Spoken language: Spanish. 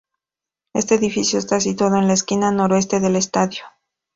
Este edificio está situado en la esquina noroeste del estadio.